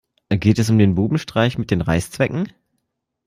Geht es um den Bubenstreich mit den Reißzwecken?